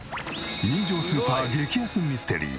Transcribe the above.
人情スーパー激安ミステリー。